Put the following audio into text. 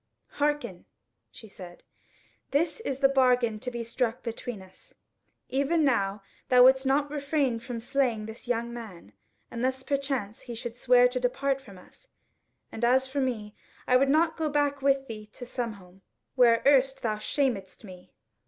"Hearken," she said, "this is the bargain to be struck between us: even now thou wouldst not refrain from slaying this young man, unless perchance he should swear to depart from us; and as for me, I would not go back with thee to Sunhome, where erst thou shamedst me.